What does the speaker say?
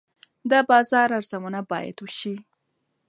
د بازار ارزونه باید وشي.